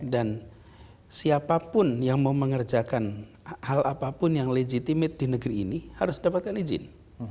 dan siapapun yang mau mengerjakan hal apapun yang legitimate di negeri ini harus dapatkan izin